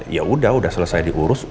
ya udah udah selesai diurus